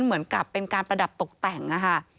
เหมือนกับเป็นการประดับตกแต่งค่ะ